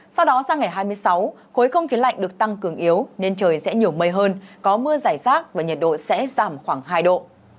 sau đó sang ngày hai mươi sáu khối không khí lạnh được tăng cường yếu nên trời sẽ nhiều mây hơn có mưa giải rác và nhiệt độ sẽ giảm khoảng hai độ